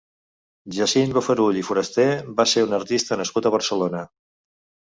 Jacint Bofarull i Foraster va ser un artista nascut a Barcelona.